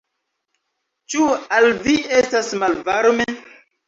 Ĉu al vi estas malvarme?